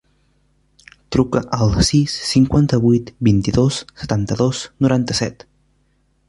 Truca al sis, cinquanta-vuit, vint-i-dos, setanta-dos, noranta-set.